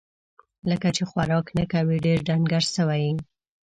لکه چې خوراک نه کوې ، ډېر ډنګر سوی یې